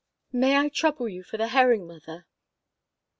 "May I trouble you for the herring, mother?"